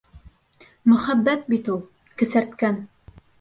Мөхәббәт бит ул... кесерткән!